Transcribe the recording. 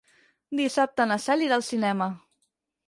Dissabte na Cel irà al cinema.